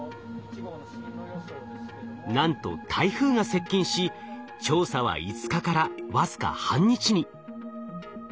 なんと台風が接近し調査は５日から僅か半日に。